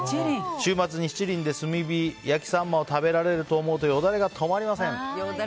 週末に七輪で炭火焼きサンマを食べられると思うとよだれが止まりません。